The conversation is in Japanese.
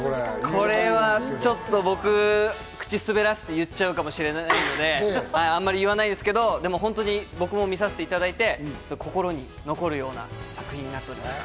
これちょっと僕、口を滑らして言っちゃうかもしれないので、あんまり言えないですけど、僕も見させていただいて、心に残るような作品になっています。